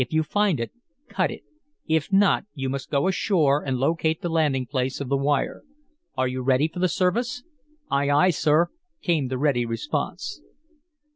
If you find it, cut it. If not, you must go ashore and locate the landing place of the wire. Are you ready for the service?" "Ay, ay, sir!" came the ready response.